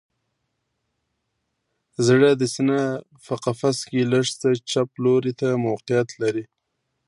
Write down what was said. زړه د سینه په قفس کې لږ څه چپ لوري ته موقعیت لري